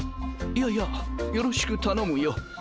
いやいやよろしく頼むよ。